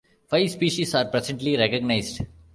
Five species are presently recognized.